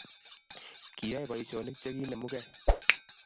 Kiyae boishonik Che kinemugei